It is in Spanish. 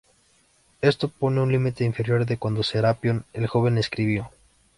Eso pone un límite inferior de cuando Serapión el Joven escribió.